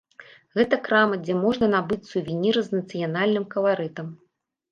Гэта крама, дзе можна набыць сувеніры з нацыянальным каларытам.